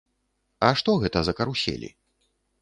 А што гэта за каруселі?